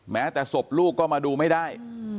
แม้แต่ศพลูกก็มาดูไม่ได้